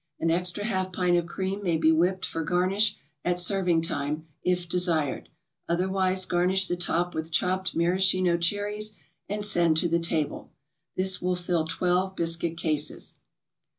An extra half pint of cream may be whipped for garnish at serving time, if desired; otherwise, garnish the top with chopped maraschino cherries, and send to the table. This will fill twelve biscuit cases.